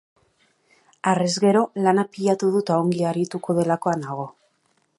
Harrezgero, lana pilatu du eta ongi arituko delakoan nago.